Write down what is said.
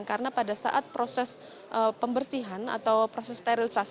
karena pada saat proses pembersihan atau proses sterilisasi